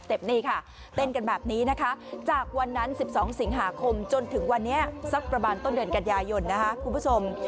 นี่ค่ะเต้นกันแบบนี้นะคะจากวันนั้น๑๒สิงหาคมจนถึงวันนี้สักประมาณต้นเดือนกันยายนนะคะคุณผู้ชม